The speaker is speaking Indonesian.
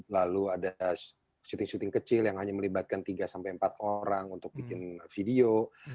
lalu ada shooting syuting kecil yang hanya melibatkan tiga sampai empat orang untuk bikin video